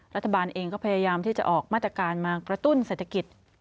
รัฐบาลเองก็พยายามที่จะออกมาตรการมากระตุ้นเศรษฐกิจ